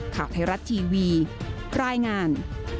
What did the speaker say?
ข่าวไทยรัฐทีวีรายงาน